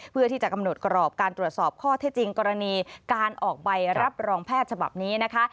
เพื่อที่จะกำหนดกรอบการตรวจสอบข้อเท็จจริงกรณีการออกใบรับรองแพทย์ฉบับนี้นะคะ